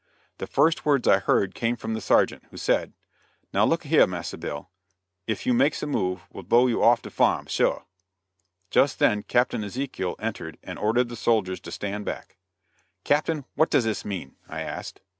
The first words I heard came from the sergeant, who said: "Now look a heah, Massa Bill, ef you makes a move we'll blow you off de farm, shuah!" Just then Captain Ezekiel entered and ordered the soldiers to stand back. "Captain, what does this mean?" I asked.